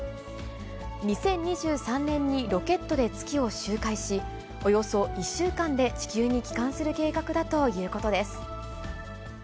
２０２３年にロケットで月を周回し、およそ１週間で地球に帰還する計画だということです。